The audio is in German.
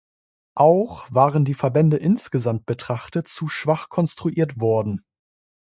Auch waren die Verbände insgesamt betrachtet zu schwach konstruiert worden.